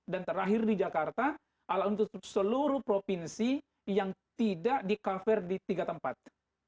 dan terakhir di jakarta untuk seluruh provinsi yang tidak di cover di tiga tempat